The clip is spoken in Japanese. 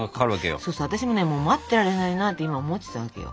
そうそう私もねもう待ってられないなって今思ってたわけよ。